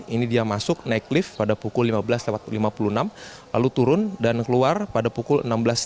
ini dia masuk naik lift pada pukul lima belas lima puluh enam lalu turun dan keluar pada pukul enam belas tiga puluh